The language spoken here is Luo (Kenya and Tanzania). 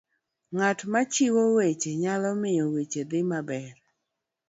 ng'at machiwo weche nyalo miyo weche dhi maber